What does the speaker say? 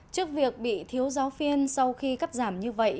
trước việc bị thiếu giáo viên sau khi cắt giảm như vậy